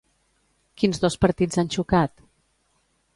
Quins dos partits han xocat?